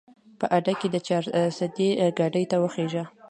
په اډه کښې د چارسدې ګاډي ته وخېژه